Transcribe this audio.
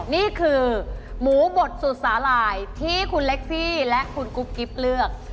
นี่คือหมูบดสุสาหร่ายที่คุณเล็กซี่และคุณกุ๊บกิ๊บเลือก